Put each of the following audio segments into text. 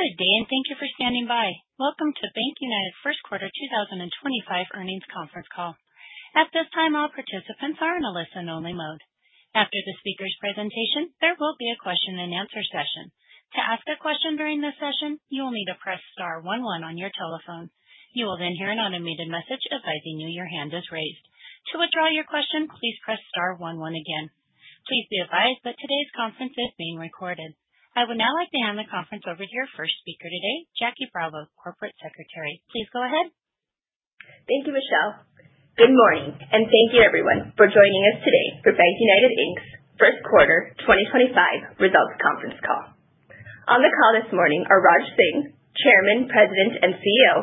Good day and thank you for standing by. Welcome to BankUnited's first quarter 2025 earnings conference call. At this time, all participants are in a listen-only mode. After the speaker's presentation, there will be a question-and-answer session. To ask a question during this session, you will need to press star 11 on your telephone. You will then hear an automated message advising you your hand is raised. To withdraw your question, please press star 11 again. Please be advised that today's conference is being recorded. I would now like to hand the conference over to your first speaker today, Jackie Bravo, Corporate Secretary. Please go ahead. Thank you, Michelle. Good morning, and thank you, everyone, for joining us today for BankUnited Inc's first quarter 2025 results conference call. On the call this morning are Raj Singh, Chairman, President, and CEO;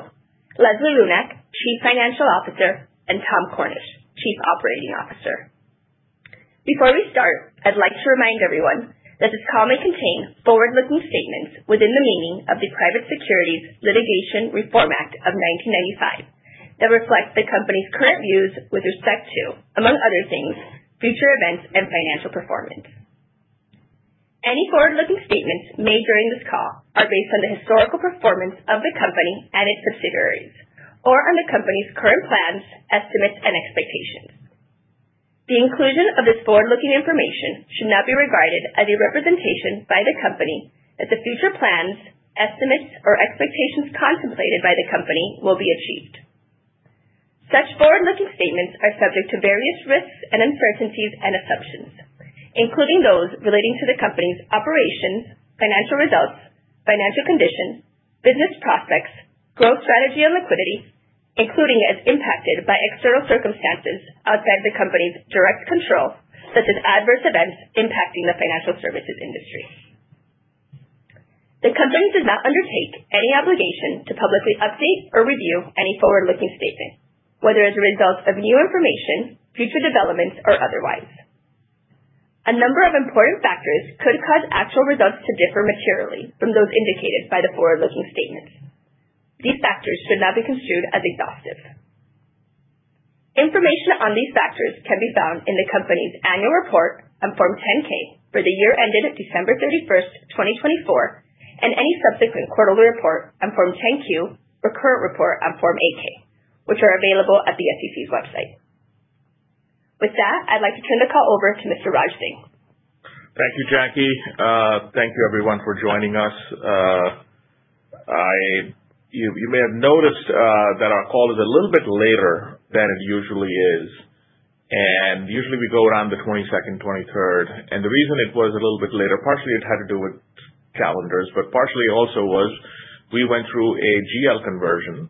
Leslie Lunak, Chief Financial Officer; and Tom Cornish, Chief Operating Officer. Before we start, I'd like to remind everyone that this call may contain forward-looking statements within the meaning of the Private Securities Litigation Reform Act of 1995 that reflect the company's current views with respect to, among other things, future events and financial performance. Any forward-looking statements made during this call are based on the historical performance of the company and its subsidiaries, or on the company's current plans, estimates, and expectations. The inclusion of this forward-looking information should not be regarded as a representation by the company that the future plans, estimates, or expectations contemplated by the company will be achieved. Such forward-looking statements are subject to various risks and uncertainties and assumptions, including those relating to the company's operations, financial results, financial condition, business prospects, growth strategy, and liquidity, including as impacted by external circumstances outside the company's direct control, such as adverse events impacting the financial services industry. The company does not undertake any obligation to publicly update or review any forward-looking statement, whether as a result of new information, future developments, or otherwise. A number of important factors could cause actual results to differ materially from those indicated by the forward-looking statements. These factors should not be construed as exhaustive. Information on these factors can be found in the company's annual report on Form 10-K for the year ended December 31st, 2024, and any subsequent quarterly report on Form 10-Q or current report on Form 8-K, which are available at the SEC's website. With that, I'd like to turn the call over to Mr. Raj Singh. Thank you, Jackie. Thank you, everyone, for joining us. You may have noticed that our call is a little bit later than it usually is, and usually we go around the 22nd, 23rd. The reason it was a little bit later, partially it had to do with calendars, but partially also was we went through a GL conversion,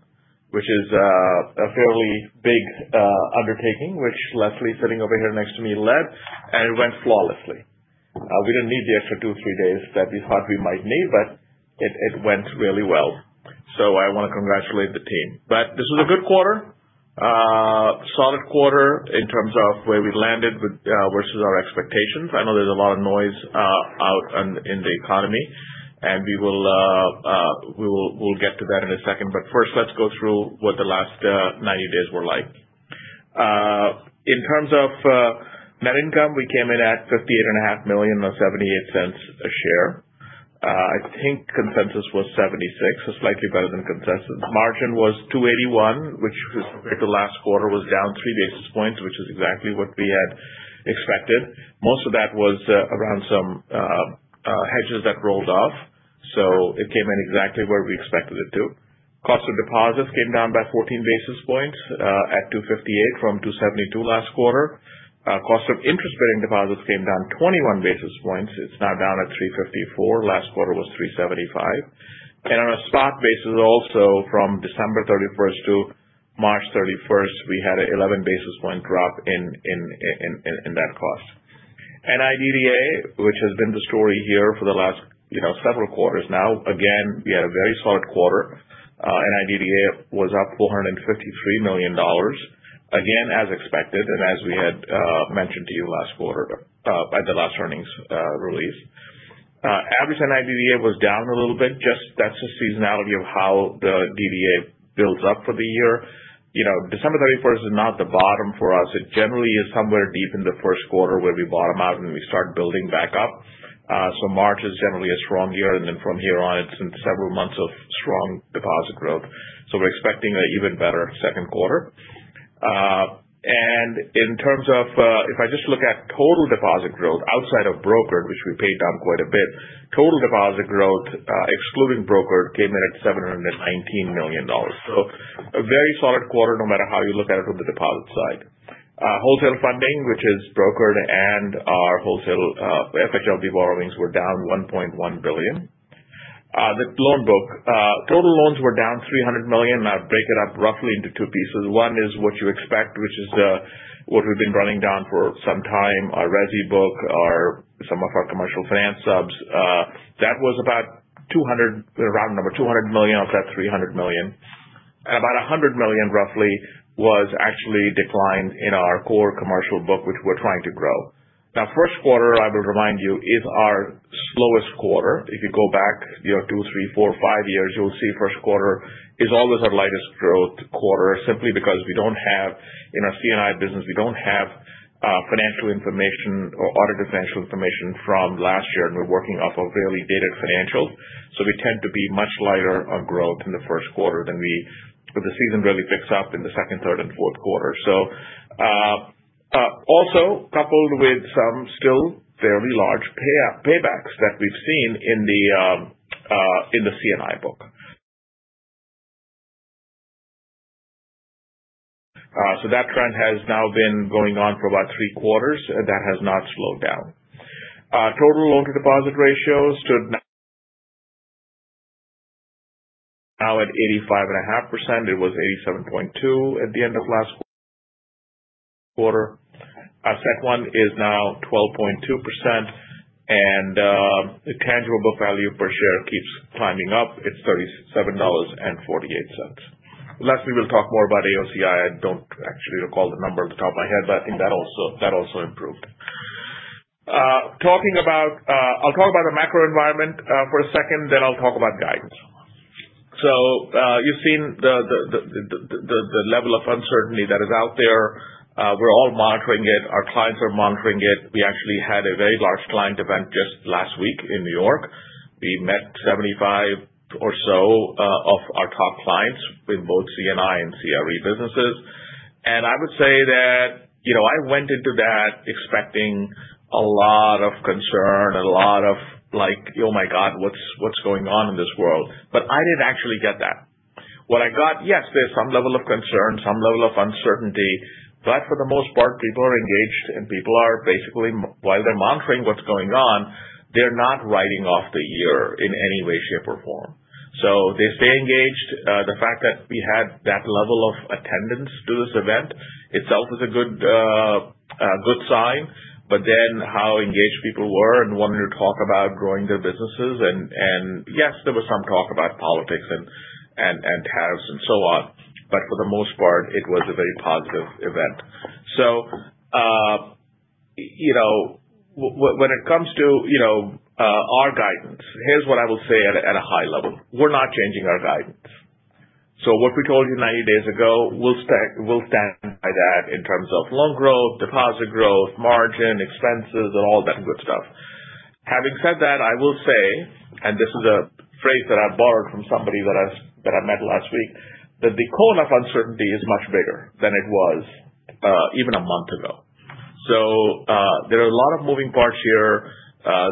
which is a fairly big undertaking, which Leslie, sitting over here next to me, led, and it went flawlessly. We did not need the extra two, three days that we thought we might need, but it went really well. I want to congratulate the team. This was a good quarter, a solid quarter in terms of where we landed versus our expectations. I know there is a lot of noise out in the economy, and we will get to that in a second. First, let's go through what the last 90 days were like. In terms of net income, we came in at $58,500,000 or $0.78 a share. I think consensus was $0.76, so slightly better than consensus. Margin was 281, which compared to last quarter, was down three basis points, which is exactly what we had expected. Most of that was around some hedges that rolled off, so it came in exactly where we expected it to. Cost of deposits came down by 14 basis points at 258 from 272 last quarter. Cost of interest-bearing deposits came down 21 basis points. It's now down at 354. Last quarter was 375. On a spot basis also, from December 31st to March 31st, we had an 11 basis point drop in that cost. NIDDA, which has been the story here for the last several quarters now, again, we had a very solid quarter. NIDDA was up $453 million, again, as expected, and as we had mentioned to you last quarter at the last earnings release. Average NIDDA was down a little bit. That is a seasonality of how the DDA builds up for the year. December 31st is not the bottom for us. It generally is somewhere deep in the first quarter where we bottom out and we start building back up. March is generally a strong year, and from here on, it is several months of strong deposit growth. We are expecting an even better second quarter. In terms of if I just look at total deposit growth outside of brokered, which we paid down quite a bit, total deposit growth, excluding brokered, came in at $719 million. A very solid quarter no matter how you look at it on the deposit side. Wholesale funding, which is brokered and our wholesale FHLB borrowings, were down $1.1 billion. The loan book, total loans were down $300 million. I break it up roughly into two pieces. One is what you expect, which is what we've been running down for some time, our resi book, some of our commercial finance subs. That was about $200 million, around number, off that $300 million. And about $100 million, roughly, was actually declined in our core commercial book, which we're trying to grow. First quarter, I will remind you, is our slowest quarter. If you go back two, three, four, five years, you'll see first quarter is always our lightest growth quarter, simply because we don't have in our C&I business, we don't have financial information or audited financial information from last year, and we're working off of really dated financials. We tend to be much lighter on growth in the first quarter than we the season really picks up in the second, third, and fourth quarter. Also coupled with some still fairly large paybacks that we've seen in the C&I book. That trend has now been going on for about three quarters. That has not slowed down. Total loan-to-deposit ratio stood now at 85.5%. It was 87.2% at the end of last quarter. Our CET1 is now 12.2%, and the tangible book value per share keeps climbing up. It's $37.48. Lastly, we'll talk more about AOCI. I don't actually recall the number off the top of my head, but I think that also improved. Talking about I'll talk about the macro environment for a second, then I'll talk about guidance. You have seen the level of uncertainty that is out there. We're all monitoring it. Our clients are monitoring it. We actually had a very large client event just last week in New York. We met 75 or so of our top clients in both C&I and CRE businesses. I would say that I went into that expecting a lot of concern, a lot of like, "Oh my God, what's going on in this world?" I didn't actually get that. What I got, yes, there's some level of concern, some level of uncertainty, but for the most part, people are engaged, and people are basically, while they're monitoring what's going on, they're not writing off the year in any way, shape, or form. They stay engaged. The fact that we had that level of attendance to this event itself is a good sign, but then how engaged people were and wanted to talk about growing their businesses, and yes, there was some talk about politics and tariffs and so on, but for the most part, it was a very positive event. When it comes to our guidance, here's what I will say at a high level. We're not changing our guidance. What we told you 90 days ago, we'll stand by that in terms of loan growth, deposit growth, margin, expenses, and all that good stuff. Having said that, I will say, and this is a phrase that I borrowed from somebody that I met last week, that the cone of uncertainty is much bigger than it was even a month ago. There are a lot of moving parts here.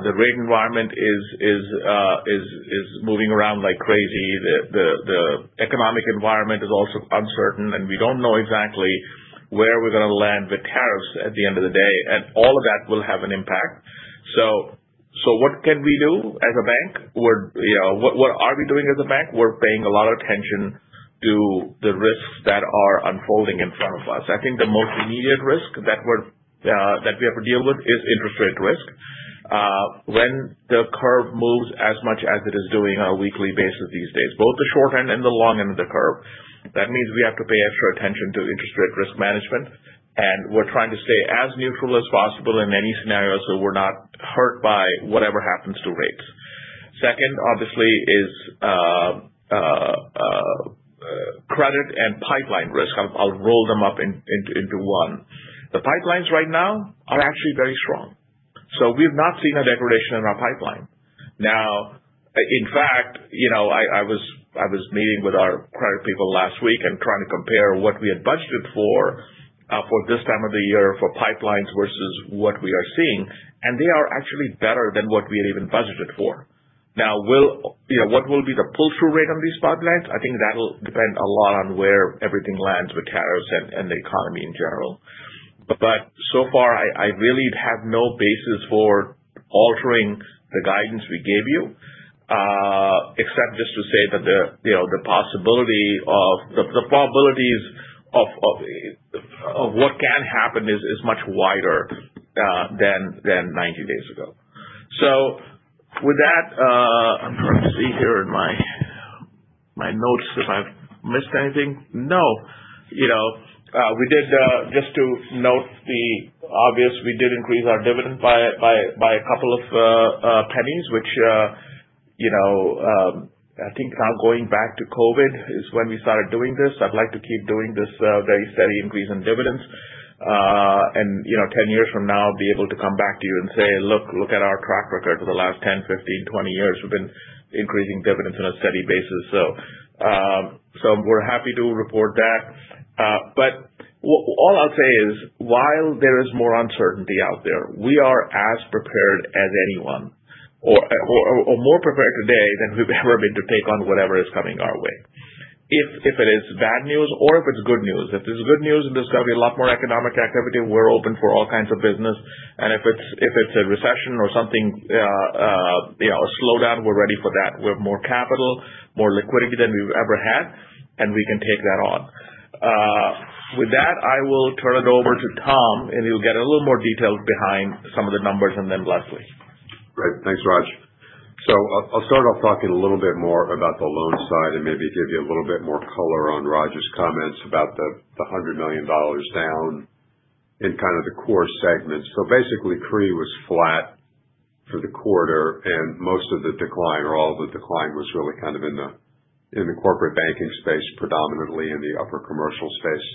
The rate environment is moving around like crazy. The economic environment is also uncertain, and we don't know exactly where we're going to land with tariffs at the end of the day, and all of that will have an impact. What can we do as a bank? What are we doing as a bank? We're paying a lot of attention to the risks that are unfolding in front of us. I think the most immediate risk that we have to deal with is interest rate risk. When the curve moves as much as it is doing on a weekly basis these days, both the short end and the long end of the curve, that means we have to pay extra attention to interest rate risk management, and we're trying to stay as neutral as possible in any scenario so we're not hurt by whatever happens to rates. Second, obviously, is credit and pipeline risk. I'll roll them up into one. The pipelines right now are actually very strong. We have not seen a degradation in our pipeline. In fact, I was meeting with our credit people last week and trying to compare what we had budgeted for for this time of the year for pipelines versus what we are seeing, and they are actually better than what we had even budgeted for. Now, what will be the pull-through rate on these pipelines? I think that'll depend a lot on where everything lands with tariffs and the economy in general. I really have no basis for altering the guidance we gave you, except just to say that the possibility of the probabilities of what can happen is much wider than 90 days ago. With that, I'm trying to see here in my notes if I've missed anything. No. We did, just to note the obvious, increase our dividend by a couple of pennies, which I think now going back to COVID is when we started doing this. I'd like to keep doing this very steady increase in dividends, and 10 years from now, be able to come back to you and say, "Look, look at our track record for the last 10, 15, 20 years. We've been increasing dividends on a steady basis. We're happy to report that. All I'll say is, while there is more uncertainty out there, we are as prepared as anyone or more prepared today than we've ever been to take on whatever is coming our way. If it is bad news or if it's good news, if it's good news and there's going to be a lot more economic activity, we're open for all kinds of business. If it's a recession or something, a slowdown, we're ready for that. We have more capital, more liquidity than we've ever had, and we can take that on. With that, I will turn it over to Tom, and he'll get a little more detail behind some of the numbers and then Leslie. Great. Thanks, Raj. I'll start off talking a little bit more about the loan side and maybe give you a little bit more color on Raj's comments about the $100 million down in kind of the core segments. Basically, CRE was flat for the quarter, and most of the decline or all the decline was really kind of in the corporate banking space, predominantly in the upper commercial space.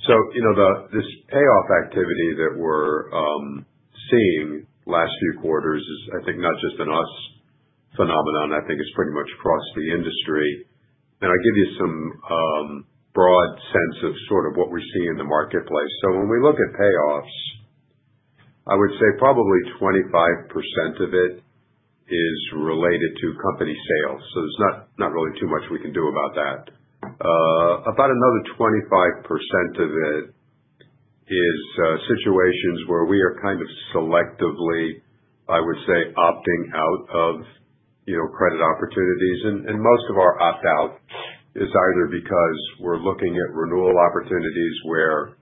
This payoff activity that we're seeing the last few quarters is, I think, not just an us phenomenon. I think it's pretty much across the industry. I'll give you some broad sense of sort of what we're seeing in the marketplace. When we look at payoffs, I would say probably 25% of it is related to company sales. There's not really too much we can do about that. About another 25% of it is situations where we are kind of selectively, I would say, opting out of credit opportunities. Most of our opt-out is either because we're looking at renewal opportunities where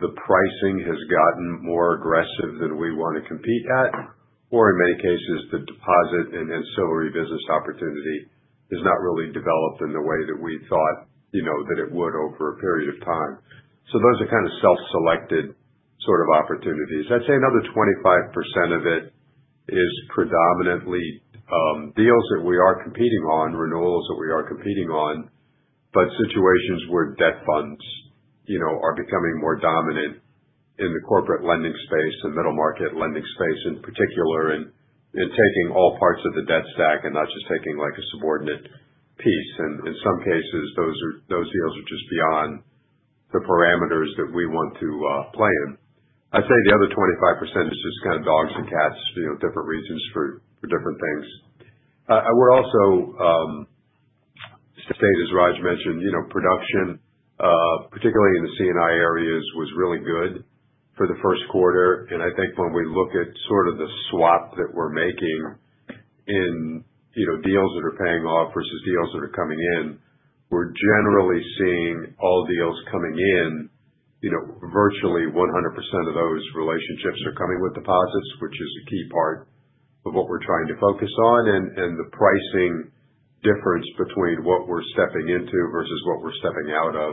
the pricing has gotten more aggressive than we want to compete at, or in many cases, the deposit and ancillary business opportunity is not really developed in the way that we thought that it would over a period of time. Those are kind of self-selected sort of opportunities. I'd say another 25% of it is predominantly deals that we are competing on, renewals that we are competing on, but situations where debt funds are becoming more dominant in the corporate lending space and middle market lending space in particular and taking all parts of the debt stack and not just taking a subordinate piece. In some cases, those deals are just beyond the parameters that we want to play in. I'd say the other 25% is just kind of dogs and cats, different reasons for different things. We're also state, as Raj mentioned, production, particularly in the C&I areas, was really good for the first quarter. I think when we look at sort of the swap that we're making in deals that are paying off versus deals that are coming in, we're generally seeing all deals coming in. Virtually 100% of those relationships are coming with deposits, which is a key part of what we're trying to focus on. The pricing difference between what we're stepping into versus what we're stepping out of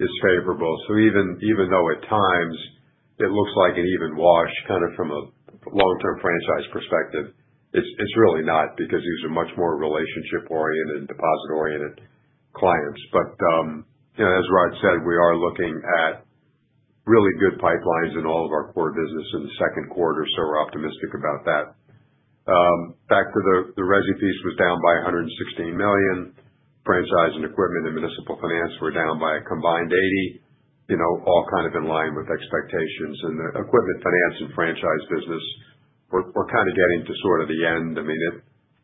is favorable. Even though at times it looks like an even wash kind of from a long-term franchise perspective, it's really not because these are much more relationship-oriented and deposit-oriented clients. As Raj said, we are looking at really good pipelines in all of our core business in the second quarter, so we're optimistic about that. Back to the resi piece, was down by $116 million. Franchise and equipment and municipal finance were down by a combined $80, all kind of in line with expectations. In the equipment finance and franchise business, we're kind of getting to sort of the end. I mean,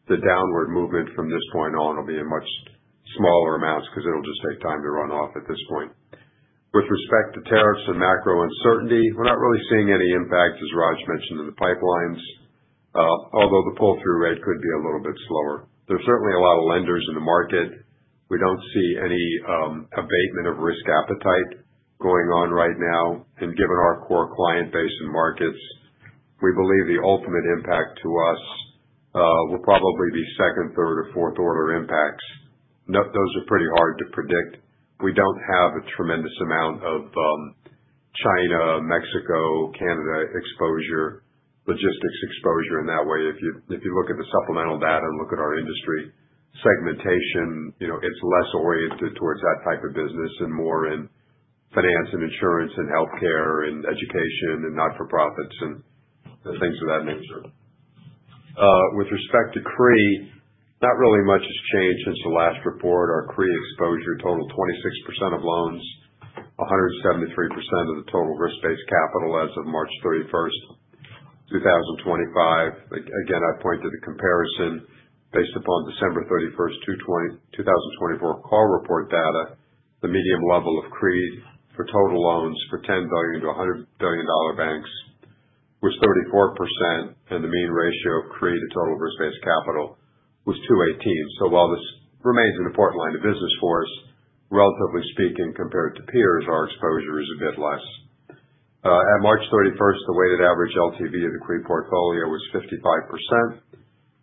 the downward movement from this point on will be in much smaller amounts because it'll just take time to run off at this point. With respect to tariffs and macro uncertainty, we're not really seeing any impact, as Raj mentioned, in the pipelines, although the pull-through rate could be a little bit slower. There are certainly a lot of lenders in the market. We do not see any abatement of risk appetite going on right now. Given our core client base and markets, we believe the ultimate impact to us will probably be second, third, or fourth-order impacts. Those are pretty hard to predict. We do not have a tremendous amount of China, Mexico, Canada exposure, logistics exposure in that way. If you look at the supplemental data and look at our industry segmentation, it is less oriented towards that type of business and more in finance and insurance and healthcare and education and not-for-profits and things of that nature. With respect to CRE, not really much has changed since the last report. Our CRE exposure totaled 26% of loans, 173% of the total risk-based capital as of March 31st, 2025. Again, I point to the comparison based upon December 31st, 2024 call report data. The median level of CRE for total loans for $10 billion-$100 billion banks was 34%, and the mean ratio of CRE to total risk-based capital was 218%. So while this remains an important line of business for us, relatively speaking, compared to peers, our exposure is a bit less. At March 31st, the weighted average LTV of the CRE portfolio was 55%,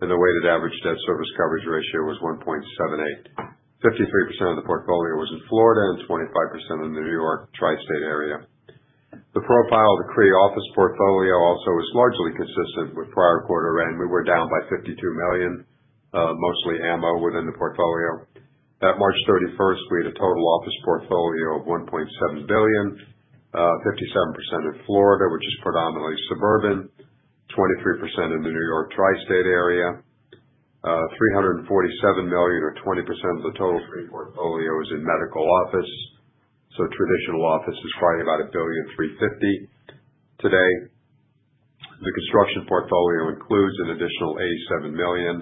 and the weighted average debt service coverage ratio was 1.78x. 53% of the portfolio was in Florida and 25% in the New York tri-state area. The profile of the CRE office portfolio also was largely consistent with prior quarter end. We were down by $52 million, mostly ammo within the portfolio. At March 31st, we had a total office portfolio of $1.7 billion, 57% in Florida, which is predominantly suburban, 23% in the New York tri-state area. $347 million, or 20% of the total CRE portfolio, is in medical office. Traditional office is probably about $1,350,000,000 billion today. The construction portfolio includes an additional $87 million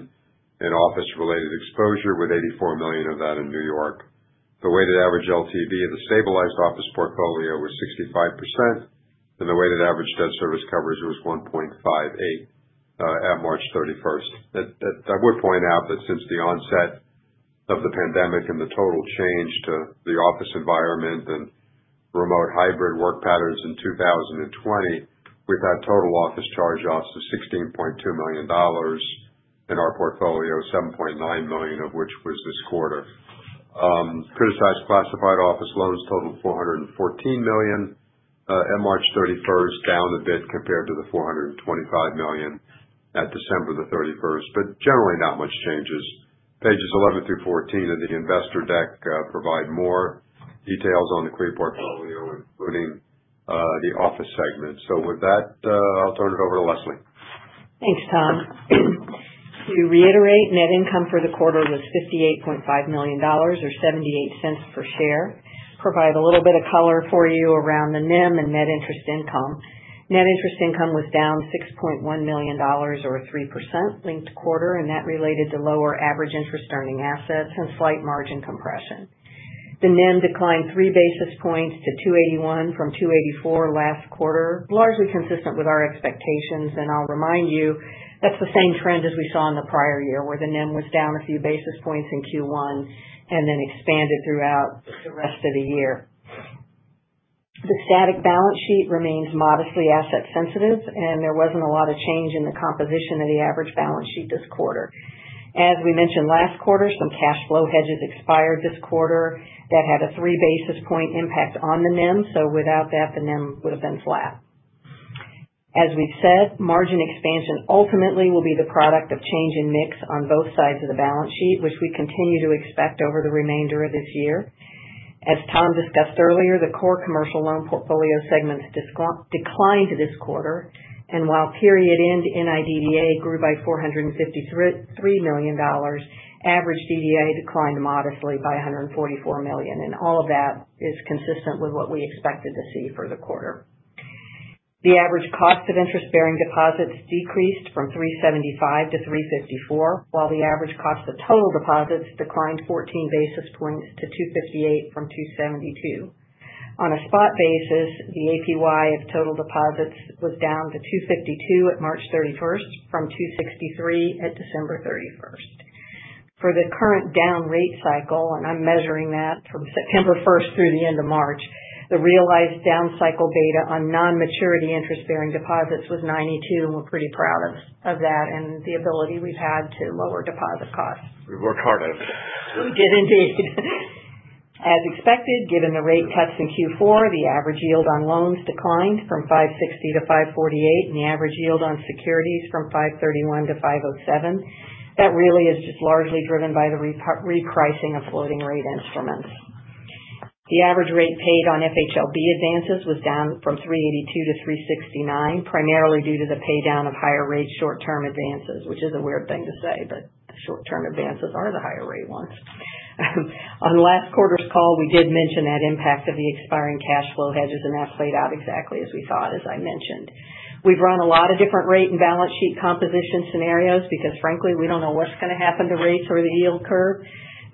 in office-related exposure, with $84 million of that in New York. The weighted average LTV of the stabilized office portfolio was 65%, and the weighted average debt service coverage was 1.58 at March 31st. I would point out that since the onset of the pandemic and the total change to the office environment and remote hybrid work patterns in 2020, we've had total office charge-offs of $16.2 million in our portfolio, $7.9 million of which was this quarter. Criticized classified office loans totaled $414 million at March 31st, down a bit compared to the $425 million at December 31st, but generally not much changes. Pages 11 through 14 of the investor deck provide more details on the CRE portfolio, including the office segment. With that, I'll turn it over to Leslie. Thanks, Tom. To reiterate, net income for the quarter was $58.5 million or $0.78 cents per share. Provide a little bit of color for you around the NIM and net interest income. Net interest income was down $6.1 million or 3% linked quarter, and that related to lower average interest earning assets and slight margin compression. The NIM declined 3 basis points to 281 from 284 last quarter, largely consistent with our expectations. I'll remind you, that's the same trend as we saw in the prior year where the NIM was down a few basis points in Q1 and then expanded throughout the rest of the year. The static balance sheet remains modestly asset-sensitive, and there was not a lot of change in the composition of the average balance sheet this quarter. As we mentioned last quarter, some cash flow hedges expired this quarter. That had a 3 basis point impact on the NIM, so without that, the NIM would have been flat. As we've said, margin expansion ultimately will be the product of change in mix on both sides of the balance sheet, which we continue to expect over the remainder of this year. As Tom discussed earlier, the core commercial loan portfolio segments declined this quarter, and while period-end NIDDA grew by $453 million, average DDA declined modestly by $144 million. All of that is consistent with what we expected to see for the quarter. The average cost of interest-bearing deposits decreased from 375 to 354, while the average cost of total deposits declined 14 basis points to 258 from 272. On a spot basis, the APY of total deposits was down to 252 at March 31st from 263 at December 31st. For the current down rate cycle, and I'm measuring that from September 1st through the end of March, the realized down cycle beta on non-maturity interest-bearing deposits was 92%, and we're pretty proud of that and the ability we've had to lower deposit costs. We've worked hard at it. We did indeed. As expected, given the rate cuts in Q4, the average yield on loans declined from 560 to 548, and the average yield on securities from 531 to 507. That really is just largely driven by the repricing of floating rate instruments. The average rate paid on FHLB advances was down from 382 to 369, primarily due to the paydown of higher rate short-term advances, which is a weird thing to say, but short-term advances are the higher rate ones. On last quarter's call, we did mention that impact of the expiring cash flow hedges, and that played out exactly as we thought, as I mentioned. We've run a lot of different rate and balance sheet composition scenarios because, frankly, we don't know what's going to happen to rates or the yield curve.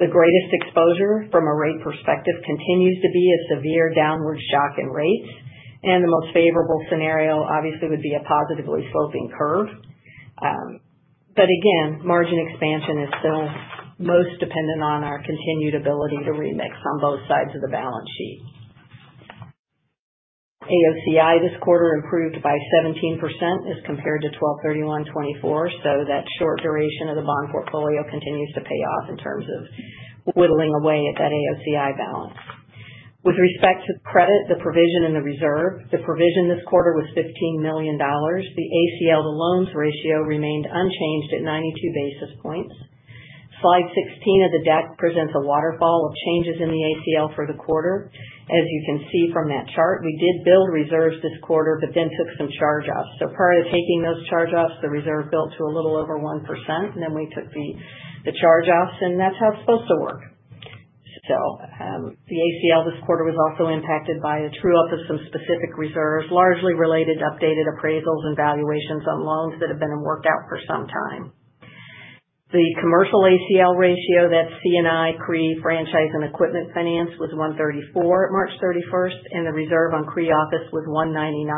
The greatest exposure from a rate perspective continues to be a severe downward shock in rates, and the most favorable scenario, obviously, would be a positively sloping curve. Margin expansion is still most dependent on our continued ability to remix on both sides of the balance sheet. AOCI this quarter improved by 17% as compared to 12/31/2024, so that short duration of the bond portfolio continues to pay off in terms of whittling away at that AOCI balance. With respect to the credit, the provision and the reserve, the provision this quarter was $15 million. The ACL to loans ratio remained unchanged at 92 basis points. Slide 16 of the deck presents a waterfall of changes in the ACL for the quarter. As you can see from that chart, we did build reserves this quarter but then took some charge-offs. Prior to taking those charge-offs, the reserve built to a little over 1%, and then we took the charge-offs, and that's how it's supposed to work. The ACL this quarter was also impacted by a true-up of some specific reserves, largely related to updated appraisals and valuations on loans that have been worked out for some time. The commercial ACL ratio that C&I, CRE, franchise, and equipment finance was 134 at March 31st, and the reserve on CRE office was 199.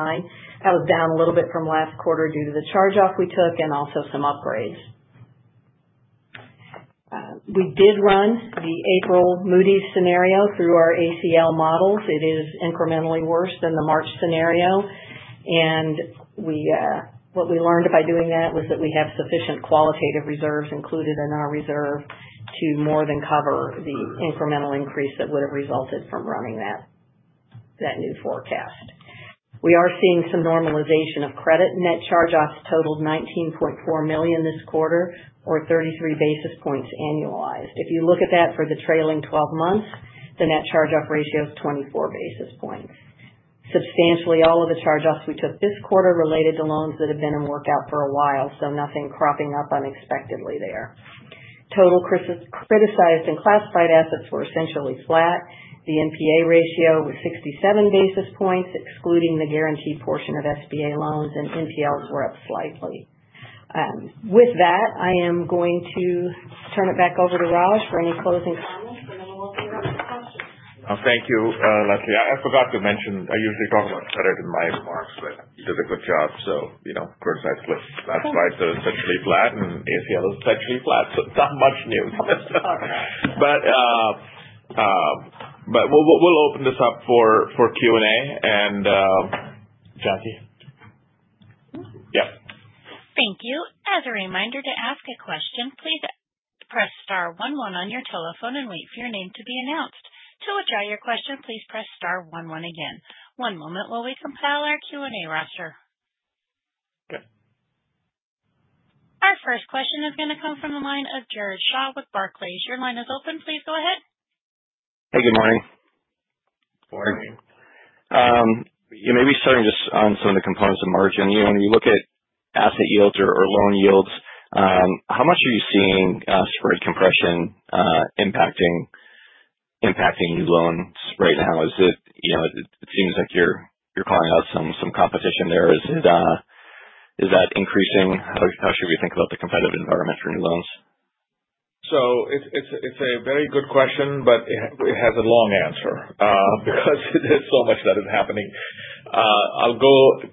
That was down a little bit from last quarter due to the charge-off we took and also some upgrades. We did run the April Moody's scenario through our ACL models. It is incrementally worse than the March scenario, and what we learned by doing that was that we have sufficient qualitative reserves included in our reserve to more than cover the incremental increase that would have resulted from running that new forecast. We are seeing some normalization of credit. Net charge-offs totaled $19.4 million this quarter, or 33 basis points annualized. If you look at that for the trailing 12 months, the net charge-off ratio is 24 basis points. Substantially, all of the charge-offs we took this quarter related to loans that have been in work out for a while, so nothing cropping up unexpectedly there. Total criticized and classified assets were essentially flat. The NPA ratio was 67 basis points, excluding the guaranteed portion of SBA loans, and NPLs were up slightly. With that, I am going to turn it back over to Raj for any closing comments and then we'll open it up for questions. Thank you, Leslie. I forgot to mention, I usually talk about credit in my remarks, but you did a good job. Criticized list, that is why it is essentially flat, and ACL is essentially flat, so it is not much new. We will open this up for Q&A, and Jackie? Yep. Thank you. As a reminder to ask a question, please press star 11 on your telephone and wait for your name to be announced. To withdraw your question, please press star 11 again. One moment while we compile our Q&A roster. Okay. Our first question is going to come from the line of Jared Shaw with Barclays. Your line is open. Please go ahead. Hey, good morning. Good morning. Good morning. Maybe starting just on some of the components of margin. When you look at asset yields or loan yields, how much are you seeing spread compression impacting new loans right now? It seems like you're calling out some competition there. Is that increasing? How should we think about the competitive environment for new loans? It's a very good question, but it has a long answer because there's so much that is happening. I'll go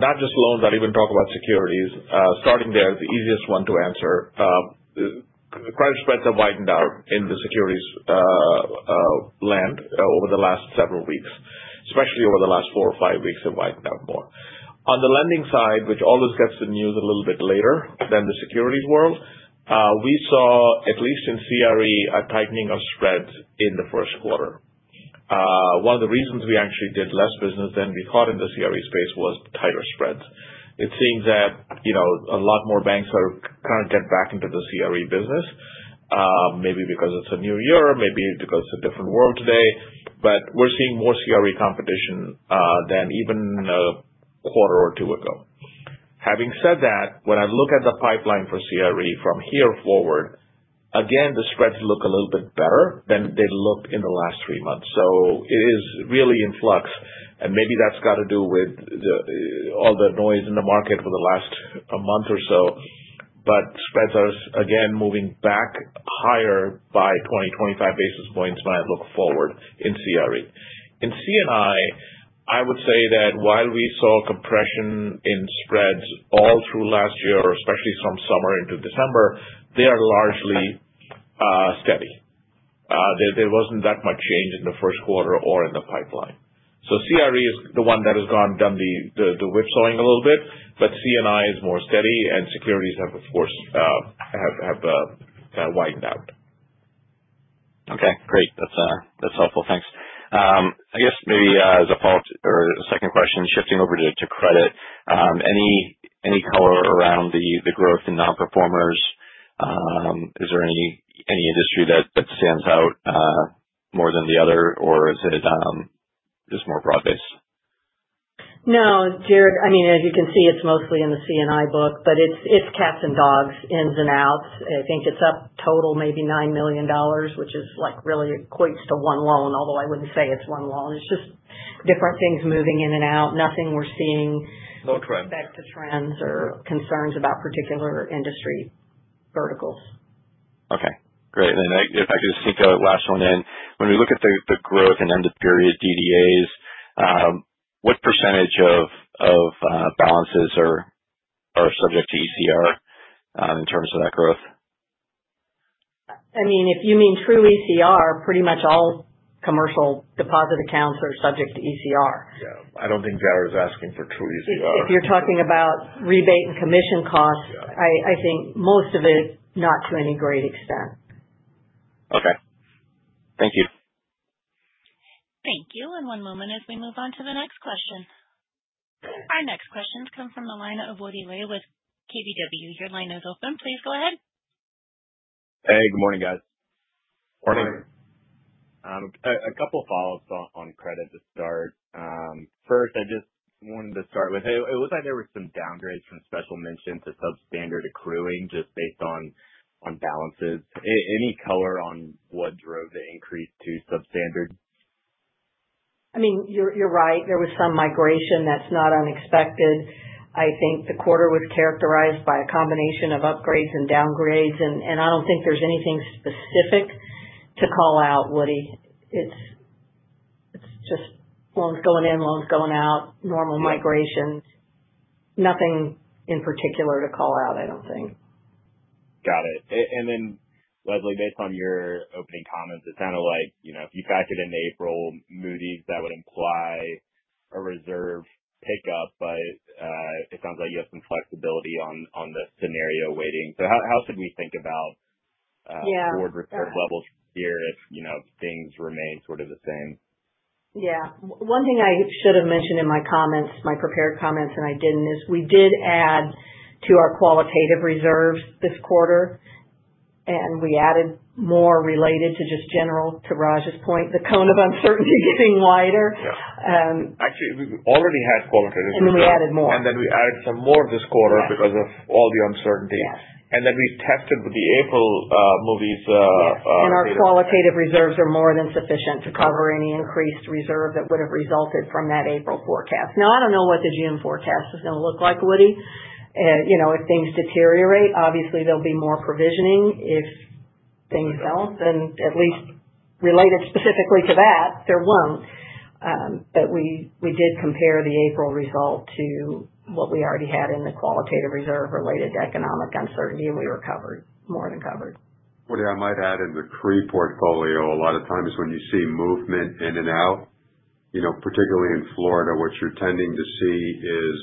not just loans; I'll even talk about securities. Starting there, the easiest one to answer. Credit spreads have widened out in the securities land over the last several weeks, especially over the last four or five weeks, have widened out more. On the lending side, which always gets the news a little bit later than the securities world, we saw, at least in CRE, a tightening of spreads in the first quarter. One of the reasons we actually did less business than we thought in the CRE space was tighter spreads. It seems that a lot more banks are trying to get back into the CRE business, maybe because it is a new year, maybe because it is a different world today, but we are seeing more CRE competition than even a quarter or two ago. Having said that, when I look at the pipeline for CRE from here forward, again, the spreads look a little bit better than they looked in the last three months. It is really in flux, and maybe that has got to do with all the noise in the market for the last month or so, but spreads are, again, moving back higher by 20 basis points, 25 basis points when I look forward in CRE. In C&I, I would say that while we saw compression in spreads all through last year, especially from summer into December, they are largely steady. There was not that much change in the first quarter or in the pipeline. CRE is the one that has gone and done the whipsawing a little bit, but C&I is more steady, and securities have, of course, widened out. Okay. Great. That's helpful. Thanks. I guess maybe as a follow-up or a second question, shifting over to credit, any color around the growth in non-performers? Is there any industry that stands out more than the other, or is it just more broad-based? No. Jared, I mean, as you can see, it's mostly in the C&I book, but it's cats and dogs, ins and outs. I think it's up total maybe $9 million, which really equates to one loan, although I wouldn't say it's one loan. It's just different things moving in and out. Nothing we're seeing back to trends or concerns about particular industry verticals. Okay. Great. If I could just take a last one in, when we look at the growth and end-of-period DDAs, what percentage of balances are subject to ECR in terms of that growth? I mean, if you mean true ECR, pretty much all commercial deposit accounts are subject to ECR. Yeah. I don't think Jared is asking for true ECR. If you're talking about rebate and commission costs, I think most of it, not to any great extent. Okay. Thank you. Thank you. One moment as we move on to the next question. Our next questions come from the line of Woody Lay with KBW. Your line is open. Please go ahead. Hey, good morning, guys. Morning. Morning. A couple of follow-ups on credit to start. First, I just wanted to start with, it looks like there were some downgrades from special mention to substandard accruing just based on balances. Any color on what drove the increase to substandard? I mean, you're right. There was some migration that's not unexpected. I think the quarter was characterized by a combination of upgrades and downgrades, and I don't think there's anything specific to call out, Woody. It's just loans going in, loans going out, normal migration. Nothing in particular to call out, I don't think. Got it. Leslie, based on your opening comments, it sounded like if you factored in April Moody's, that would imply a reserve pickup, but it sounds like you have some flexibility on the scenario weighting. How should we think about board reserve levels here if things remain sort of the same? Yeah. One thing I should have mentioned in my comments, my prepared comments, and I did not, is we did add to our qualitative reserves this quarter, and we added more related to just general, to Raj's point, the cone of uncertainty getting wider. Actually, we already had qualitative reserves. We added more. We added some more this quarter because of all the uncertainty. We tested with the April Moody's. Yes. Our qualitative reserves are more than sufficient to cover any increased reserve that would have resulted from that April forecast. I do not know what the June forecast is going to look like, Woody. If things deteriorate, obviously, there will be more provisioning. If things do not, at least related specifically to that, there will not. We did compare the April result to what we already had in the qualitative reserve related to economic uncertainty, and we were covered, more than covered. Woody, I might add in the CRE portfolio, a lot of times when you see movement in and out, particularly in Florida, what you're tending to see is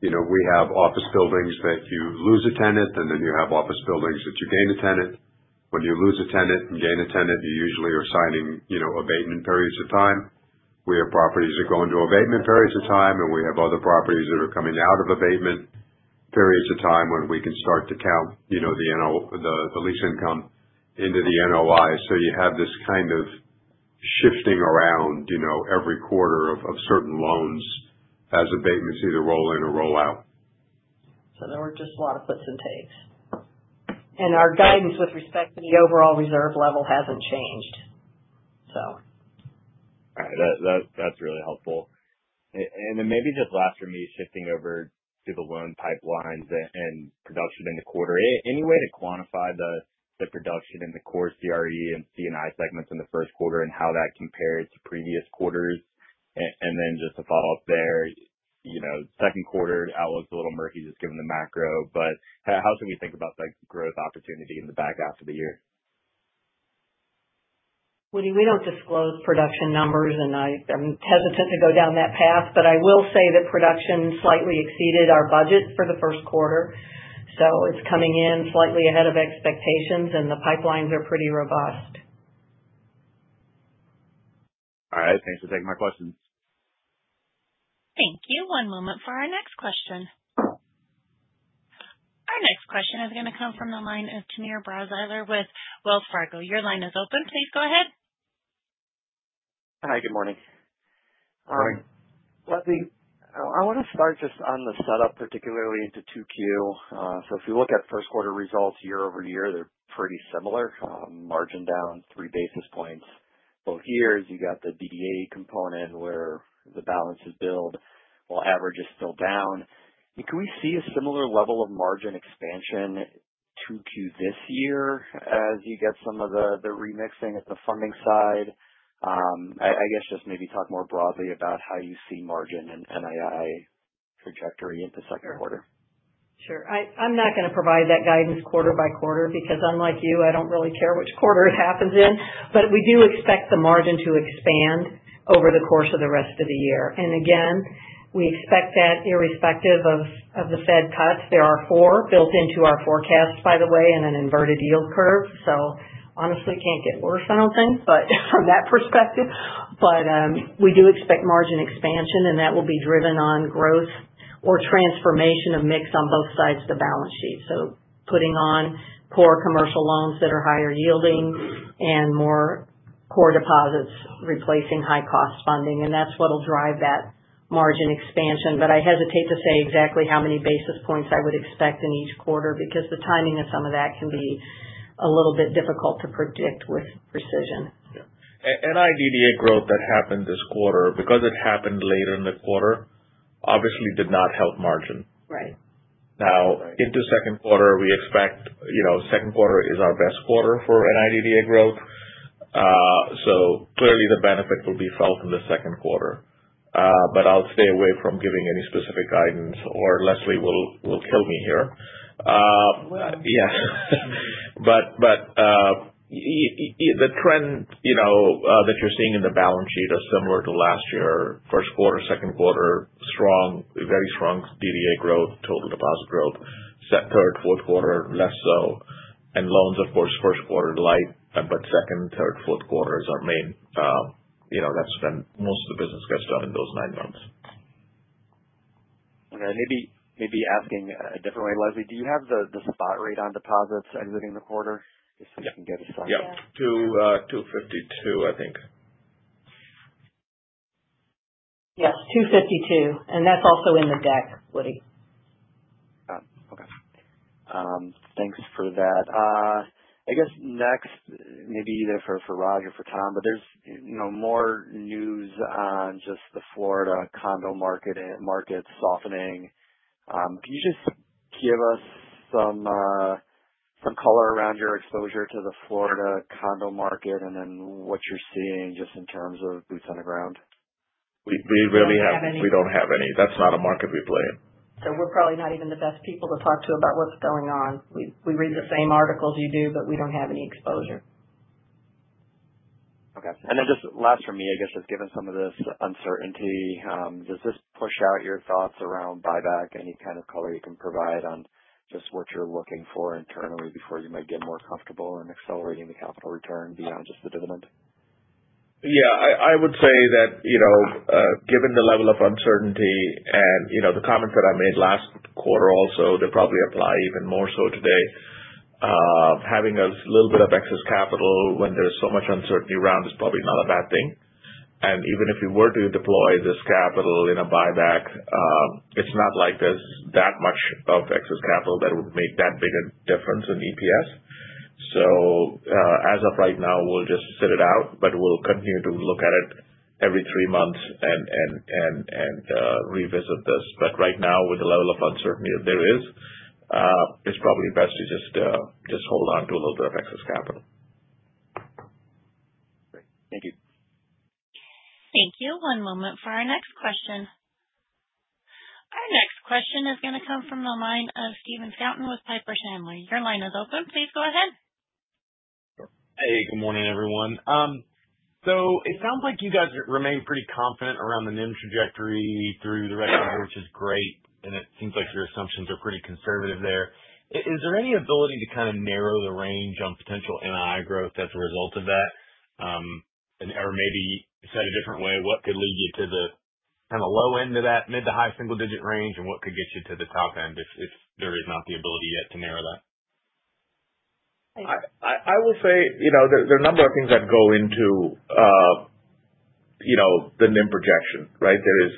we have office buildings that you lose a tenant, and then you have office buildings that you gain a tenant. When you lose a tenant and gain a tenant, you usually are signing abatement periods of time. We have properties that go into abatement periods of time, and we have other properties that are coming out of abatement periods of time when we can start to count the lease income into the NOI. You have this kind of shifting around every quarter of certain loans as abatements either roll in or roll out. There were just a lot of puts and takes. Our guidance with respect to the overall reserve level hasn't changed, so. All right. That's really helpful. Maybe just last for me, shifting over to the loan pipelines and production in the quarter. Any way to quantify the production in the core CRE and C&I segments in the first quarter and how that compared to previous quarters? Just to follow up there, second quarter, that was a little murky just given the macro, but how should we think about the growth opportunity in the back after the year? Woody, we do not disclose production numbers, and I am hesitant to go down that path, but I will say that production slightly exceeded our budget for the first quarter. It is coming in slightly ahead of expectations, and the pipelines are pretty robust. All right. Thanks for taking my questions. Thank you. One moment for our next question. Our next question is going to come from the line of Timur Braziler with Wells Fargo. Your line is open. Please go ahead. Hi. Good morning. Morning. Leslie, I want to start just on the setup, particularly into 2Q. If you look at first quarter results year-over-year, they're pretty similar. Margin down three basis points both years. You got the DDA component where the balances build while average is still down. Can we see a similar level of margin expansion 2Q this year as you get some of the remixing at the funding side? I guess just maybe talk more broadly about how you see margin and NII trajectory into second quarter. Sure. I'm not going to provide that guidance quarter by quarter because, unlike you, I don't really care which quarter it happens in, but we do expect the margin to expand over the course of the rest of the year. Again, we expect that irrespective of the Fed cuts. There are four built into our forecast, by the way, and an inverted yield curve. Honestly, it can't get worse, I don't think, from that perspective. We do expect margin expansion, and that will be driven on growth or transformation of mix on both sides of the balance sheet. Putting on core commercial loans that are higher yielding and more core deposits replacing high-cost funding, that's what'll drive that margin expansion. I hesitate to say exactly how many basis points I would expect in each quarter because the timing of some of that can be a little bit difficult to predict with precision. Yeah. NIDDA growth that happened this quarter, because it happened later in the quarter, obviously did not help margin. Right. Now, into second quarter, we expect second quarter is our best quarter for NIDDA growth. Clearly, the benefit will be felt in the second quarter. I'll stay away from giving any specific guidance, or Leslie will kill me here. Well. Yeah. The trend that you're seeing in the balance sheet is similar to last year. First quarter, second quarter, strong, very strong DDA growth, total deposit growth. Third, fourth quarter, less so. And loans, of course, first quarter light, but second, third, fourth quarters are main. That's when most of the business gets done in those nine months. Okay. Maybe asking a different way, Leslie, do you have the spot rate on deposits exiting the quarter? Just so we can get a slight. Yeah. 252, I think. Yes. 252. That is also in the deck, Woody. Got it. Okay. Thanks for that. I guess next, maybe either for Raj or for Tom, but there's more news on just the Florida condo market softening. Can you just give us some color around your exposure to the Florida condo market and then what you're seeing just in terms of boots on the ground? We really haven't. We don't have any. We do not have any. That is not a market we play. We are probably not even the best people to talk to about what is going on. We read the same articles you do, but we do not have any exposure. Okay. Just last for me, I guess, just given some of this uncertainty, does this push out your thoughts around buyback? Any kind of color you can provide on just what you're looking for internally before you might get more comfortable in accelerating the capital return beyond just the dividend? Yeah. I would say that given the level of uncertainty and the comments that I made last quarter also, they probably apply even more so today. Having a little bit of excess capital when there's so much uncertainty around is probably not a bad thing. Even if you were to deploy this capital in a buyback, it's not like there's that much of excess capital that would make that big a difference in EPS. As of right now, we'll just sit it out, but we'll continue to look at it every three months and revisit this. Right now, with the level of uncertainty that there is, it's probably best to just hold on to a little bit of excess capital. Great. Thank you. Thank you. One moment for our next question. Our next question is going to come from the line of Stephen Scouten with Piper Sandler. Your line is open. Please go ahead. Good morning, everyone. It sounds like you guys remain pretty confident around the NIM trajectory through the rest of the year, which is great. It seems like your assumptions are pretty conservative there. Is there any ability to kind of narrow the range on potential NII growth as a result of that? Maybe said a different way, what could lead you to the kind of low end of that mid to high single-digit range, and what could get you to the top end if there is not the ability yet to narrow that? I will say there are a number of things that go into the NIM projection, right? There is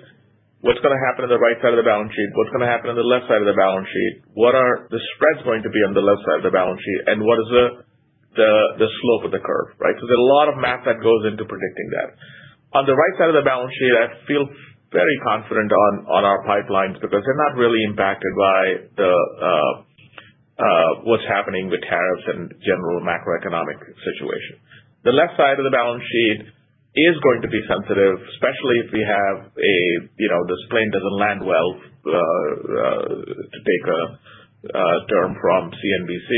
what's going to happen on the right side of the balance sheet, what's going to happen on the left side of the balance sheet, what are the spreads going to be on the left side of the balance sheet, and what is the slope of the curve, right? There is a lot of math that goes into predicting that. On the right side of the balance sheet, I feel very confident on our pipelines because they're not really impacted by what's happening with tariffs and general macroeconomic situation. The left side of the balance sheet is going to be sensitive, especially if we have a this plane doesn't land well, to take a term from CNBC.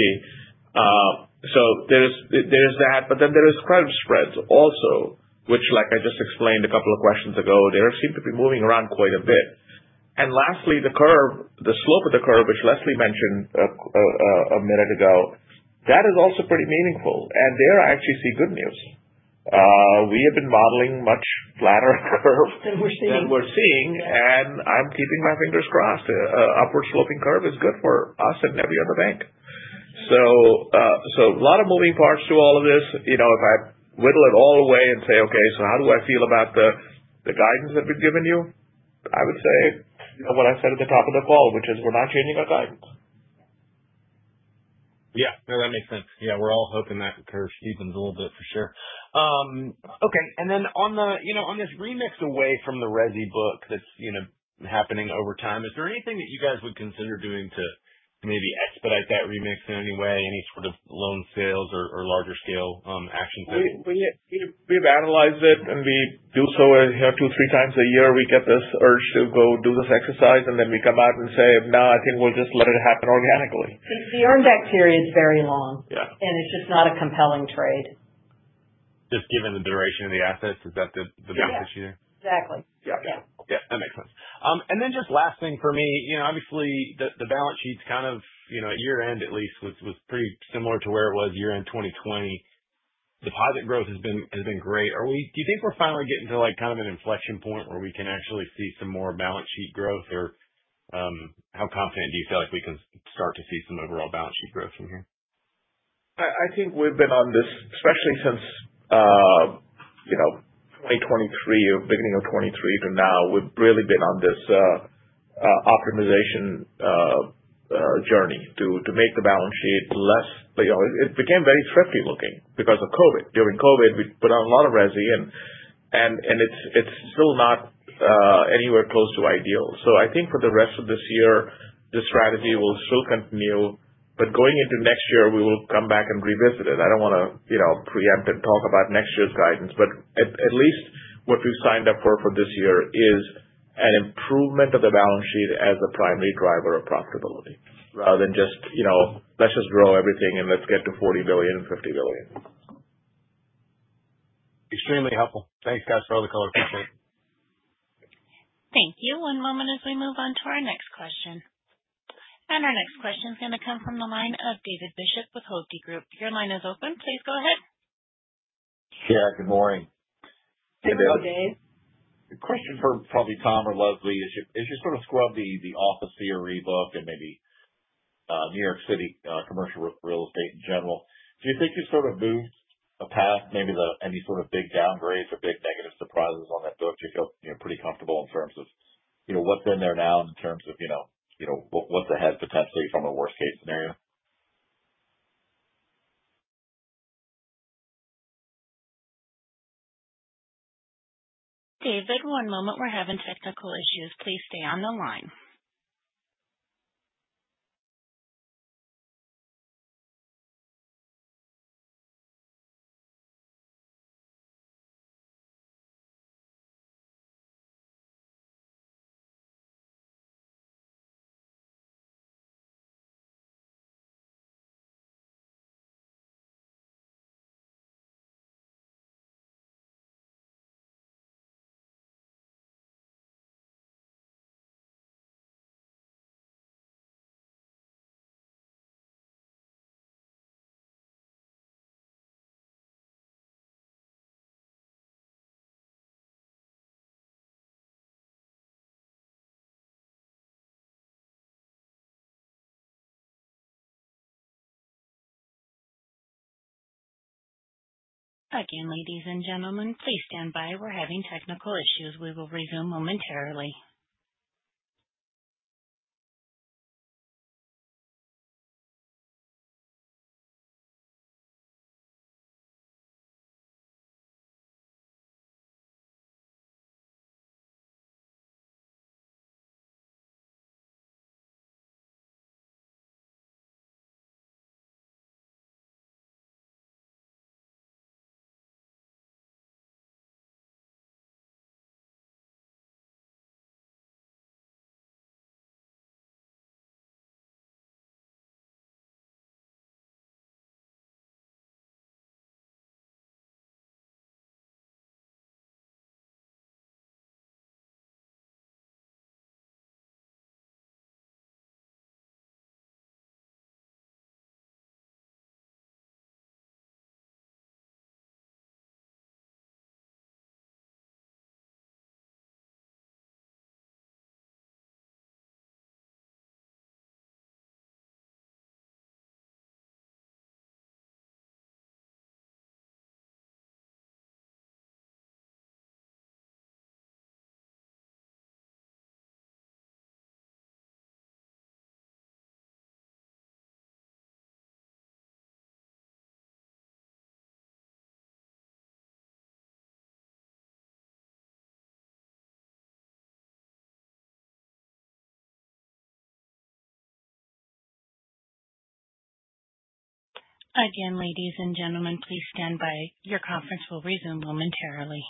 There is that, but then there are credit spreads also, which, like I just explained a couple of questions ago, they seem to be moving around quite a bit. Lastly, the slope of the curve, which Leslie mentioned a minute ago, that is also pretty meaningful. There I actually see good news. We have been modeling much flatter curves. Than we're seeing. Than we're seeing. I'm keeping my fingers crossed. An upward-sloping curve is good for us and every other bank. A lot of moving parts to all of this. If I whittle it all away and say, "Okay. How do I feel about the guidance that we've given you?" I would say what I said at the top of the call, which is we're not changing our guidance. Yeah. No, that makes sense. Yeah. We're all hoping that curve steepens a little bit for sure. Okay. On this remix away from the resi book that's happening over time, is there anything that you guys would consider doing to maybe expedite that remix in any way? Any sort of loan sales or larger scale actions? We've analyzed it, and we do so two, three times a year. We get this urge to go do this exercise, and then we come out and say, "No, I think we'll just let it happen organically. The earn-back period is very long, and it's just not a compelling trade. Just given the duration of the assets, is that the big issue there? Yeah. Exactly. Yeah. Yeah. That makes sense. Just last thing for me, obviously, the balance sheet's kind of at year-end, at least, was pretty similar to where it was year-end 2020. Deposit growth has been great. Do you think we're finally getting to kind of an inflection point where we can actually see some more balance sheet growth? How confident do you feel like we can start to see some overall balance sheet growth from here? I think we've been on this, especially since 2023 or beginning of 2023 to now, we've really been on this optimization journey to make the balance sheet less. It became very thrifty looking because of COVID. During COVID, we put on a lot of resi, and it's still not anywhere close to ideal. I think for the rest of this year, the strategy will still continue. Going into next year, we will come back and revisit it. I don't want to preempt and talk about next year's guidance, but at least what we've signed up for for this year is an improvement of the balance sheet as a primary driver of profitability rather than just, "Let's just grow everything and let's get to $40 billion and $50 billion. Extremely helpful. Thanks, guys, for all the color. Appreciate it. Thank you. One moment as we move on to our next question. Our next question is going to come from the line of David Bishop with Hovde Group. Your line is open. Please go ahead. Yeah. Good morning. Good morning, David. Hello, Dave. The question for probably Tom or Leslie is you sort of scrubbed the office CRE book and maybe New York City commercial real estate in general. Do you think you've sort of moved past maybe any sort of big downgrades or big negative surprises on that book? Do you feel pretty comfortable in terms of what's in there now in terms of what's ahead potentially from a worst-case scenario? David, one moment. We're having technical issues. Please stay on the line. Again, ladies and gentlemen, please stand by. We're having technical issues. We will resume momentarily. Again, ladies and gentlemen, please stand by. Your conference will resume momentarily.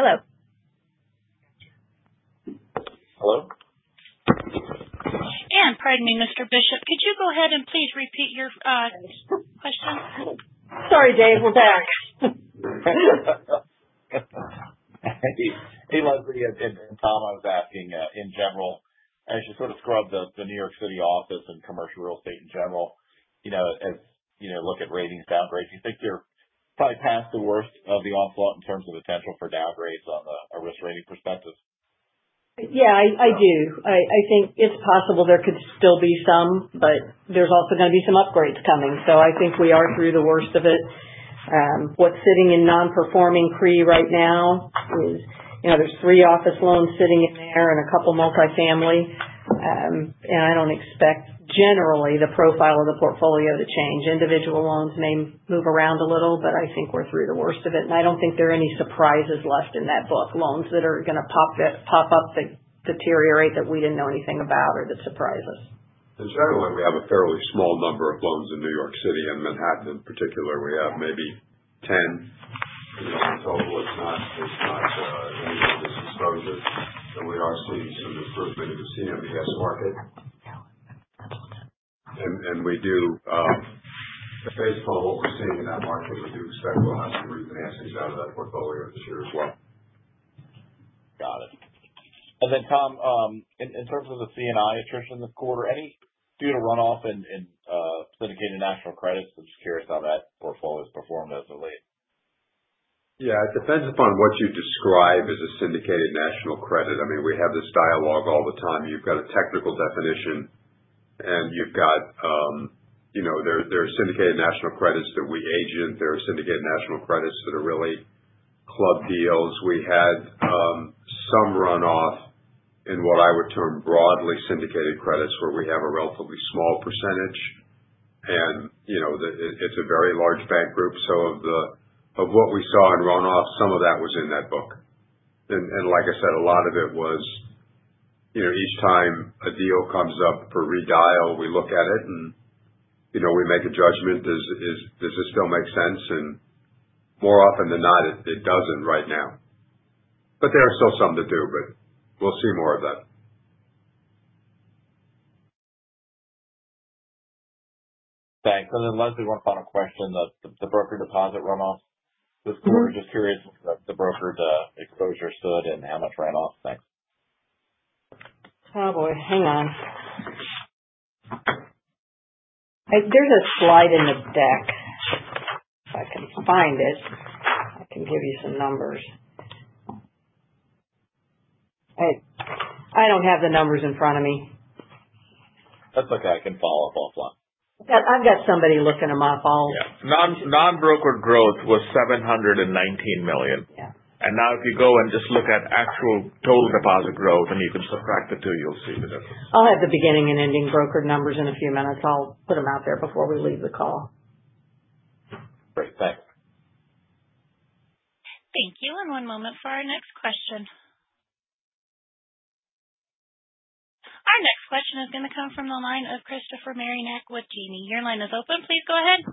Hello. Hello? Pardon me, Mr. Bishop, could you go ahead and please repeat your question? Sorry, Dave. We're back. Hey, Leslie and Tom. I was asking in general, as you sort of scrub the New York City office and commercial real estate in general, as you look at ratings downgrades, do you think they're probably past the worst of the onslaught in terms of potential for downgrades on a risk-rating perspective? Yeah. I do. I think it's possible there could still be some, but there's also going to be some upgrades coming. I think we are through the worst of it. What's sitting in non-performing CRE right now is there's three office loans sitting in there and a couple multifamily. I don't expect, generally, the profile of the portfolio to change. Individual loans may move around a little, but I think we're through the worst of it. I don't think there are any surprises left in that book, loans that are going to pop up, deteriorate that we didn't know anything about or that surprise us. In general, we have a fairly small number of loans in New York City. In Manhattan, in particular, we have maybe 10. In total, Based upon what we're seeing in that market, we do expect we'll have some refinancings out of that portfolio this year as well. Got it. Tom, in terms of the C&I attrition this quarter, any due to runoff in syndicated national credits? I'm just curious how that portfolio has performed as of late. Yeah. It depends upon what you describe as a syndicated national credit. I mean, we have this dialogue all the time. You've got a technical definition, and you've got there are syndicated national credits that we agent. There are syndicated national credits that are really club deals. We had some runoff in what I would term broadly syndicated credits where we have a relatively small percentage. And it's a very large bank group. So of what we saw in runoff, some of that was in that book. Like I said, a lot of it was each time a deal comes up for redial, we look at it and we make a judgment, "Does this still make sense?" More often than not, it doesn't right now. There are still some that do, but we'll see more of that. Thanks. Leslie, one final question. The broker deposit runoff this quarter, just curious about the broker exposure stood and how much ran off. Thanks. Oh, boy. Hang on. There's a slide in the deck. If I can find it, I can give you some numbers. I don't have the numbers in front of me. That's okay. I can follow up offline. I've got somebody looking them up. I'll. Yeah. Non-broker growth was $719 million. If you go and just look at actual total deposit growth and you can subtract the two, you'll see the difference. I'll have the beginning and ending broker numbers in a few minutes. I'll put them out there before we leave the call. Great. Thanks. Thank you. One moment for our next question. Our next question is going to come from the line of Christopher Marinac with Janney. Your line is open. Please go ahead.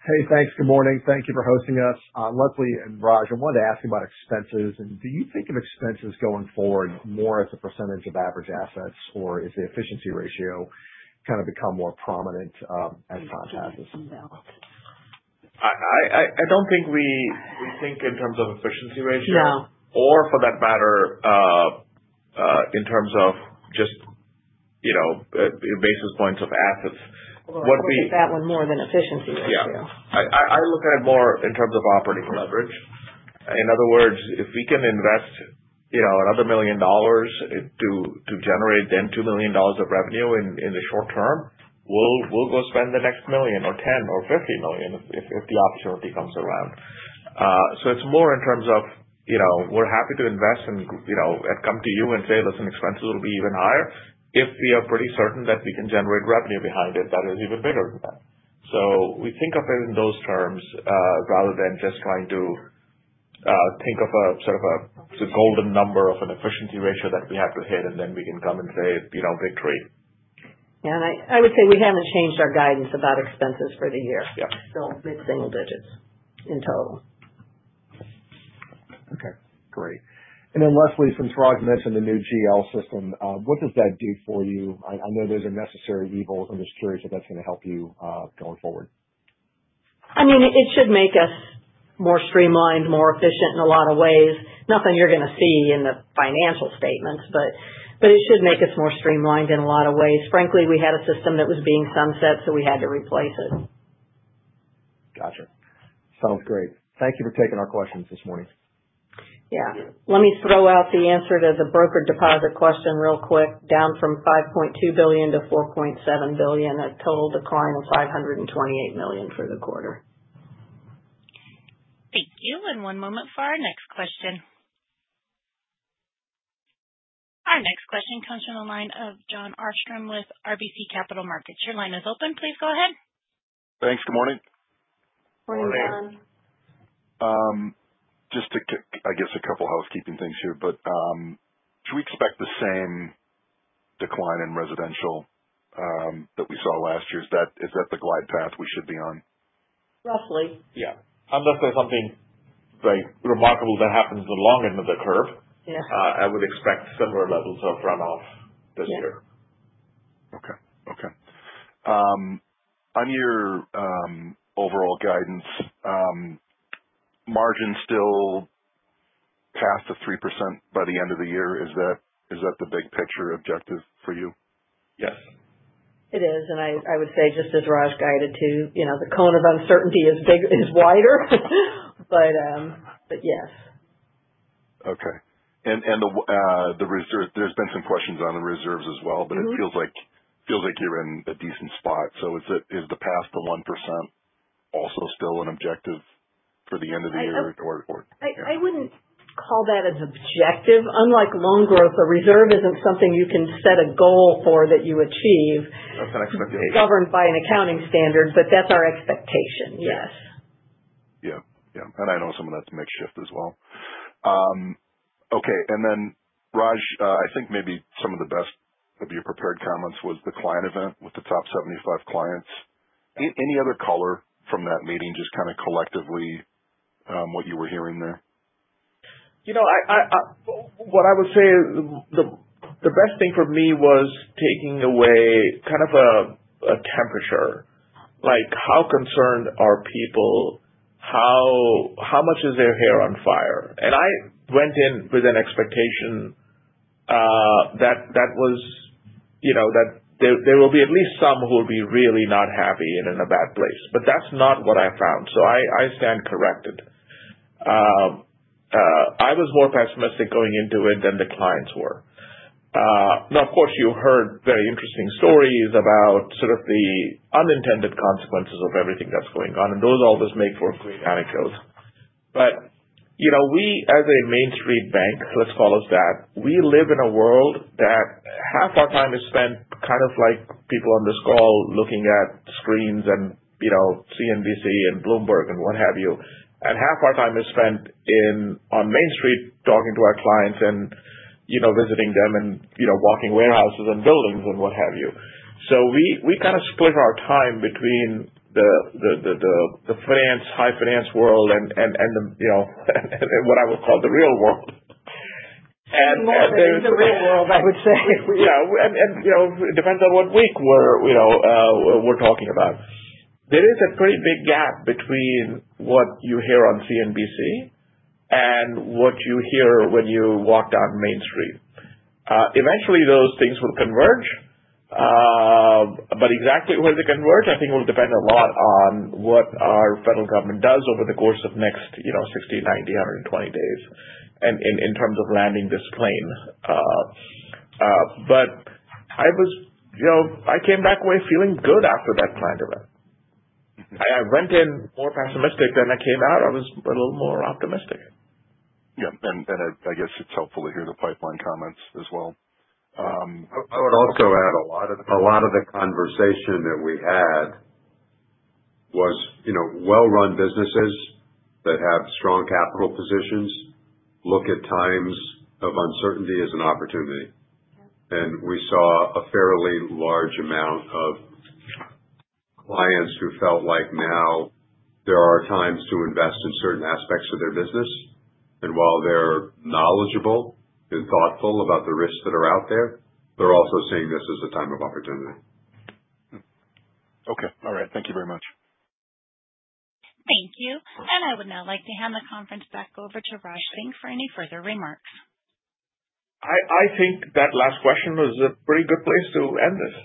Hey, thanks. Good morning. Thank you for hosting us. Leslie and Raj, I wanted to ask you about expenses. Do you think of expenses going forward more as a percentage of average assets, or is the efficiency ratio kind of become more prominent as time passes? I don't think we think in terms of efficiency ratio. No. Or for that matter, in terms of just basis points of assets. I look at that one more than efficiency ratio. Yeah. I look at it more in terms of operating leverage. In other words, if we can invest another $1 million to generate then $2 million of revenue in the short term, we'll go spend the next $1 million or $10 million or $50 million if the opportunity comes around. It is more in terms of we're happy to invest and come to you and say, "Listen, expenses will be even higher." If we are pretty certain that we can generate revenue behind it, that is even bigger than that. We think of it in those terms rather than just trying to think of a sort of a golden number of an efficiency ratio that we have to hit, and then we can come and say, "Victory. Yeah. I would say we haven't changed our guidance about expenses for the year. It's still mid-single digits in total. Okay. Great. Leslie, since Raj mentioned the new GL system, what does that do for you? I know those are necessary evils. I'm just curious if that's going to help you going forward. I mean, it should make us more streamlined, more efficient in a lot of ways. Nothing you're going to see in the financial statements, but it should make us more streamlined in a lot of ways. Frankly, we had a system that was being sunset, so we had to replace it. Gotcha. Sounds great. Thank you for taking our questions this morning. Yeah. Let me throw out the answer to the broker deposit question real quick. Down from $5.2 billion to $4.7 billion, a total decline of $528 million for the quarter. Thank you. One moment for our next question. Our next question comes from the line of Jon Arfstrom with RBC Capital Markets. Your line is open. Please go ahead. Thanks. Good morning. Morning, Jon. Morning. Just, I guess, a couple housekeeping things here, but should we expect the same decline in residential that we saw last year? Is that the glide path we should be on? Roughly. Yeah. Unless there's something remarkable that happens along the curve, I would expect similar levels of runoff this year. Yeah. Okay. Okay. On your overall guidance, margin still past the 3% by the end of the year? Is that the big picture objective for you? Yes. It is. I would say, just as Raj guided to, the cone of uncertainty is wider, but yes. Okay. There have been some questions on the reserves as well, but it feels like you're in a decent spot. Is the past the 1% also still an objective for the end of the year? I wouldn't call that an objective. Unlike loan growth, a reserve isn't something you can set a goal for that you achieve. That's an expectation. Governed by an accounting standard, but that's our expectation. Yes. Yeah. Yeah. Yeah. I know some of that's makeshift as well. Okay. Raj, I think maybe some of the best of your prepared comments was the client event with the top 75 clients. Any other color from that meeting, just kind of collectively what you were hearing there? What I would say is the best thing for me was taking away kind of a temperature. How concerned are people? How much is their hair on fire? I went in with an expectation that was that there will be at least some who will be really not happy and in a bad place. That is not what I found. I stand corrected. I was more pessimistic going into it than the clients were. Now, of course, you heard very interesting stories about sort of the unintended consequences of everything that is going on, and those always make for a great anecdote. We, as a Main Street bank, let's call us that, we live in a world that half our time is spent kind of like people on this call looking at screens and CNBC and Bloomberg and what have you. Half our time is spent on Main Street talking to our clients and visiting them and walking warehouses and buildings and what have you. We kind of split our time between the finance, high finance world, and what I would call the real world. More than the real world, I would say. Yeah. It depends on what week we're talking about. There is a pretty big gap between what you hear on CNBC and what you hear when you walk down Main Street. Eventually, those things will converge, but exactly where they converge, I think, will depend a lot on what our federal government does over the course of the next 60, 90, 120 days in terms of landing this plane. I came back away feeling good after that client event. I went in more pessimistic than I came out. I was a little more optimistic. Yeah, I guess it's helpful to hear the pipeline comments as well. I would also add a lot of the conversation that we had was well-run businesses that have strong capital positions look at times of uncertainty as an opportunity. We saw a fairly large amount of clients who felt like now there are times to invest in certain aspects of their business. While they're knowledgeable and thoughtful about the risks that are out there, they're also seeing this as a time of opportunity. Okay. All right. Thank you very much. Thank you. I would now like to hand the conference back over to Raj Singh for any further remarks. I think that last question was a pretty good place to end this.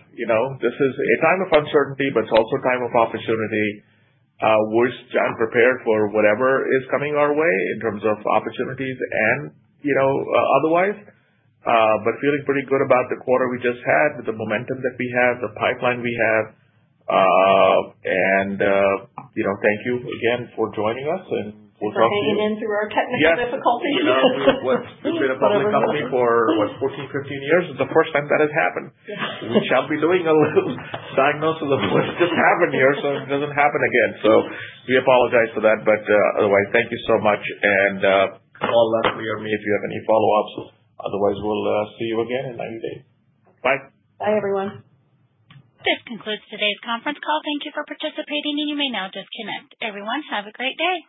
This is a time of uncertainty, but it's also a time of opportunity. We're just prepared for whatever is coming our way in terms of opportunities and otherwise. Feeling pretty good about the quarter we just had with the momentum that we have, the pipeline we have. Thank you again for joining us, and we'll talk to you. You for hanging in through our technical difficulties. Yeah. We've been a public company for, what, 14, 15 years? It's the first time that has happened. We shall be doing a little diagnosis of what's just happened here, so it doesn't happen again. We apologize for that. Otherwise, thank you so much. Call us if you have any follow-ups. Otherwise, we'll see you again in 90 days. Bye. Bye, everyone. This concludes today's conference call. Thank you for participating, and you may now disconnect. Everyone, have a great day.